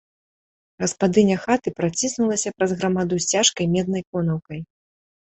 Гаспадыня хаты праціснулася праз грамаду з цяжкай меднай конаўкай.